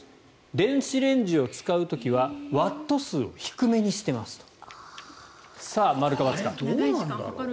電子レンジを使う時はワット数を低めにしていますと。